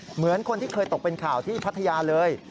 เหมือนคนที่เคยตกเป็นข่าวที่พัทยาเลย